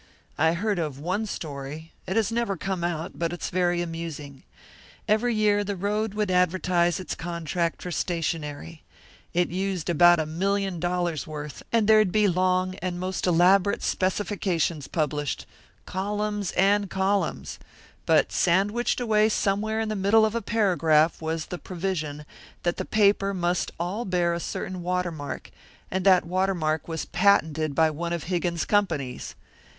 I heard of one story it has never come out, but it's very amusing. Every year the road would advertise its contract for stationery. It used about a million dollars' worth, and there'd be long and most elaborate specifications published columns and columns. But sandwiched away somewhere in the middle of a paragraph was the provision that the paper must all bear a certain watermark; and that watermark was patented by one of Higgins's companies!